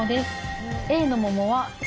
Ａの桃は。